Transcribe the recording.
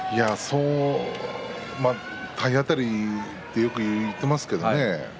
体当たりとはよく言っていますけれどね